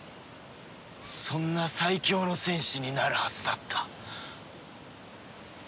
そんな最強の戦士になるはずだった。